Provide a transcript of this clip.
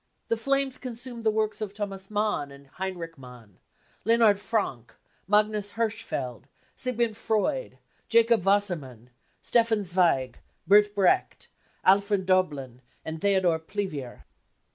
The flames consumed the works of Thomas Mann and Heinrich Mann, Leonhard Frankf Magnus Hirschfeld, Siegmund Freud, Jacob Wasser mann, Stefan Zweig, Bert Brecht, Alfred Doblin and Theodor Plivier.